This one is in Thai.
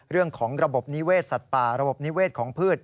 เรื่องของระบบนิเวศสัตว์ป่าระบบนิเวศของพืช